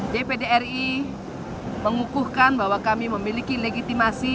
jpdri mengukuhkan bahwa kami memiliki legitimasi